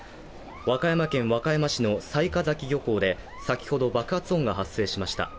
和歌山県和歌山市の雑賀崎漁港で、先ほど爆発音が発生しました。